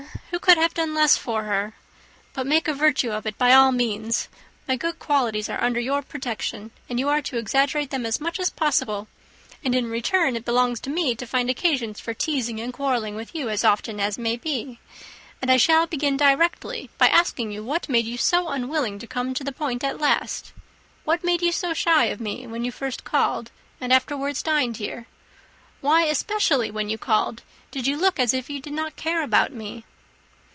who could have done less for her? But make a virtue of it by all means. My good qualities are under your protection, and you are to exaggerate them as much as possible; and, in return, it belongs to me to find occasions for teasing and quarrelling with you as often as may be; and I shall begin directly, by asking you what made you so unwilling to come to the point at last? What made you so shy of me, when you first called, and afterwards dined here? Why, especially, when you called, did you look as if you did not care about me?"